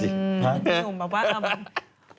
ที่หนุ่มบอกว่ามัน